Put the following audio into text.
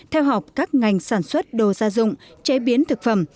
theo học các ngành sản xuất đồ gia dụng chế biến thực phẩm